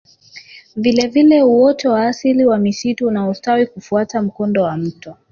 Vile vile uoto wa asili wa msitu unaostawi kufuata mkondo wa mto